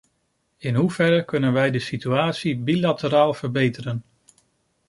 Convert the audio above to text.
In hoeverre kunnen wij de situatie bilateraal verbeteren?